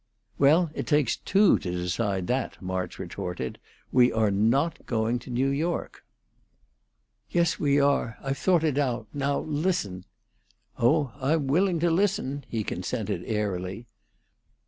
"Well, it takes two to decide that," March retorted. "We are not going to New York." "Yes, we are. I've thought it out. Now, listen." "Oh, I'm willing to listen," he consented, airily.